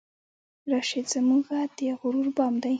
راشد زمونږه د غرور بام دی